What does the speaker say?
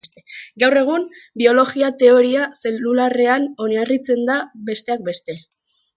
Gaur egungo biologia Teoria zelularrean oinarritzen da, besteak beste.